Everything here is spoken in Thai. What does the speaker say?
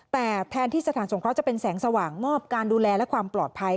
แต่แทนที่สถานสงเคราะห์จะเป็นแสงสว่างมอบการดูแลและความปลอดภัย